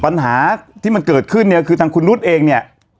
ปัญหาที่มันเกิดขึ้นเนี่ยคือทางคุณนุษย์เองเนี่ย